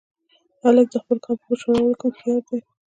هلک د خپل کار په بشپړولو کې هوښیار دی.